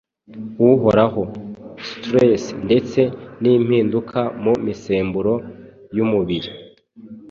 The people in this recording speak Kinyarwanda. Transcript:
uhoraho(stress) ndetse n’ impinduka mu misemburo y’umubiri.